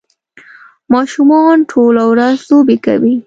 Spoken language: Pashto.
ماشومان ټوله ورځ لوبې کوي.